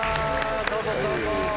どうぞどうぞ。